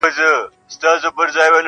• ځیني وختونه بېله موضوع لري -